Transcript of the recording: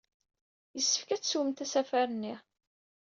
Yessefk ad teswemt asafar-nni!